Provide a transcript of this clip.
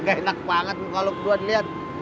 gak enak banget lo kalau kedua diliat